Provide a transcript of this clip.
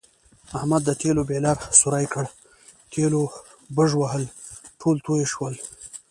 احمد د تېلو بیلر سوری کړ، تېلو بژوهل ټول تویې شول.